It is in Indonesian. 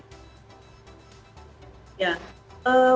dan kita lihat bahwa permainannya juga cukup menarik